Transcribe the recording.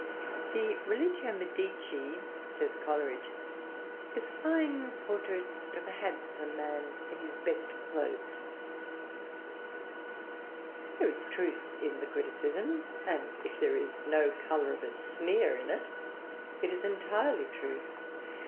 "The 'Religio Medici,'" says Coleridge, "is a fine portrait of a handsome man in his best clothes." There is truth in the criticism, and if there is no color of a sneer in it, it is entirely true.